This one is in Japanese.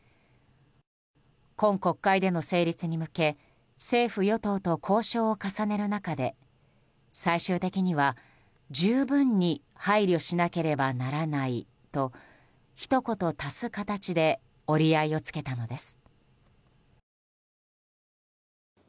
今国会での成立に向け政府・与党と交渉を重ねる中で最終的には十分に配慮しなければならないとひと言足す形で折り合いをつけたのです。